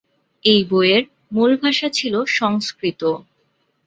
এই বইয়ের মূল ভাষা ছিল সংস্কৃত।